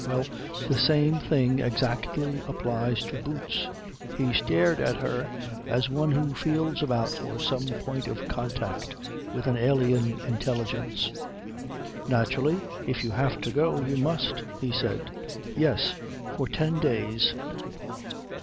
Well, the same thing exactly applies to boots." He stared at her as one who feels about for some point of contact with an alien intelligence. "Naturally if you have to go you must," he said. "Yes. For ten days."